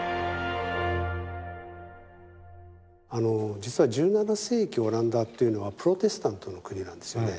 実は１７世紀オランダっていうのはプロテスタントの国なんですよね。